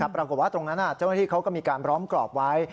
ปรากฏว่าตรงนั้นเจ้าหน้าที่เขาก็มีการล้อมกรอบไว้